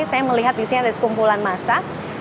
saya melihat di sini ada sekumpulan massa